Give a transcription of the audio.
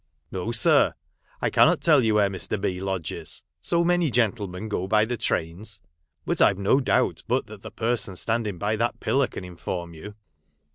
" No, sir, I cannot tell you where Mr. B. lodges — so many gentlemen go by the trains ; but I have no doubt but that the person standing by that pillar caa inform you."